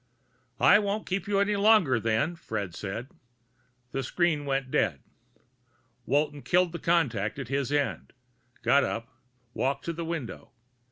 "I won't keep you any longer, then," Fred said. The screen went dead. Walton killed the contact at his end, got up, walked to the window.